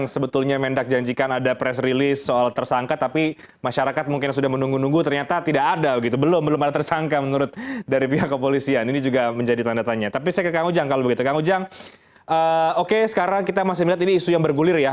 saya masih melihat ini isu yang bergulir ya